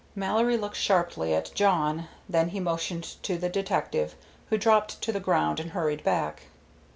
Mallory looked sharply at Jawn, then he motioned to the detective, who dropped to the ground and hurried back.